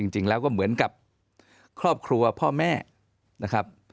จริงแล้วก็เหมือนกับครอบครัวพ่อแม่นะครับ